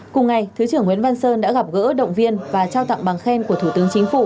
cùng ngày thứ trưởng nguyễn văn sơn đã gặp gỡ động viên và trao tặng bằng khen của thủ tướng chính phủ